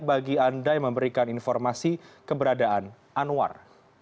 bagi anda yang memberikan informasi keberadaan anwar